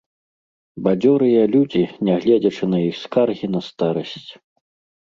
Бадзёрыя людзі, нягледзячы на іх скаргі на старасць.